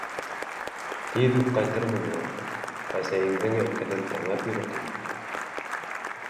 — Тиҙ үк ҡайтырмын, улым, әсәйеңдең әйткәнен тыңлап йөрө, — тине.